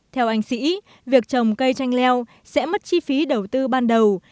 theo anh sĩ việc trồng cây tranh leo sẽ mất chi phí đầu tư ban đầu